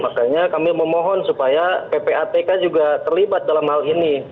makanya kami memohon supaya ppatk juga terlibat dalam hal ini